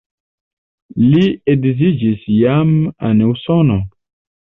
Li edziĝis jam en Usono.